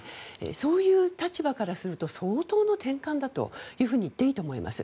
そういう立場からすると相当の転換だと言っていいと思います。